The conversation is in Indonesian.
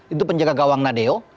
itu penjaga gawang nadeo